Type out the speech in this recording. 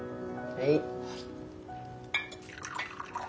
はい。